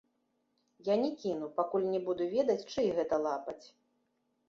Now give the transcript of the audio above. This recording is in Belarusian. Я не кіну, пакуль не буду ведаць, чый гэта лапаць.